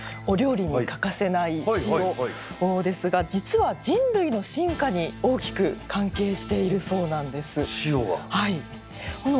お料理に欠かせない塩ですが実は人類の進化に大きく関係しているそうなんです。